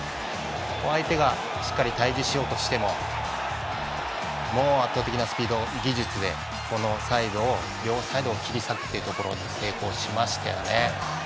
相手がしっかり対峙じしようとしてももう圧倒的なスピード、技術でこのサイド、両サイドを切り裂くというところ成功しましたよね。